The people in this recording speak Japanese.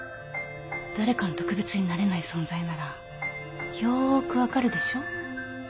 誰かの特別になれない存在ならよく分かるでしょ？